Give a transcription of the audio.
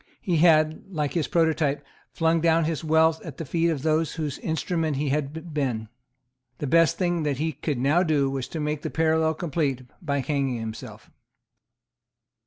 He had, like his prototype, flung down his wealth at the feet of those whose instrument he had been. The best thing that he could now do was to make the parallel complete by hanging himself.